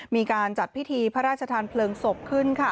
มีการจัดพิธีพระราชทานเพลิงศพขึ้น